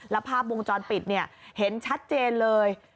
แล้วภาพวงจรปิดเห็นชัดเจนเลย